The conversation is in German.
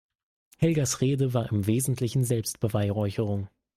Helgas Rede war im Wesentlichen Selbstbeweihräucherung.